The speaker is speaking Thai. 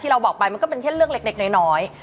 ที่เราบอกไปมันก็เป็นแค่เลือกเล็กน้อย